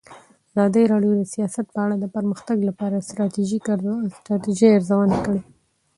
ازادي راډیو د سیاست په اړه د پرمختګ لپاره د ستراتیژۍ ارزونه کړې.